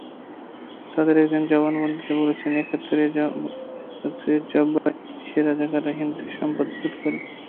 তাঁদের একজন জবানবন্দিতে বলেছেন, একাত্তরে জব্বারের নির্দেশে রাজাকাররা হিন্দুদের সম্পদ লুট করে।